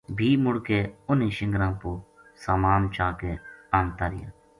بھی مُڑ کے اُن ہی شِنگراں پو سامان چا کے آنتا رہیا